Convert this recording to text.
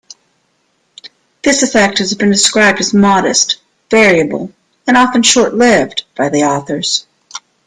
This effect has been described as modest, variable, and often short-lived, by the authors.